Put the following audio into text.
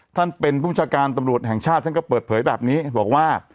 ท่านเป็นผู้ประชาการตำรวจแห่งชาติท่านก็เปิดเผยแบบนี้บอกว่า